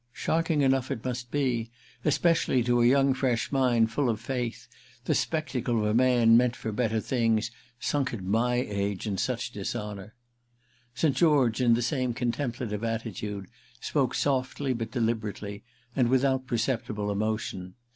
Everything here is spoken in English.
Shocking enough it must be, especially to a young fresh mind, full of faith—the spectacle of a man meant for better things sunk at my age in such dishonour." St. George, in the same contemplative attitude, spoke softly but deliberately, and without perceptible emotion.